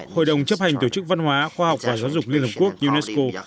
hội đồng chấp hành tổ chức văn hóa khoa học và giáo dục liên hợp quốc unesco